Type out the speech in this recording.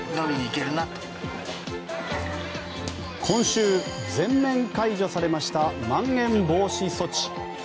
今週、全面解除されましたまん延防止措置。